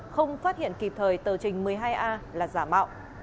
lời tờ trình một mươi hai a là giả mạo